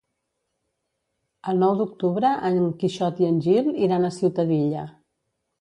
El nou d'octubre en Quixot i en Gil iran a Ciutadilla.